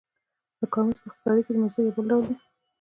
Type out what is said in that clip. د کار مزد په اقتصاد کې د مزد یو بل ډول دی